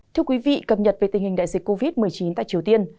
thưa quý vị cập nhật về tình hình đại dịch covid một mươi chín tại triều tiên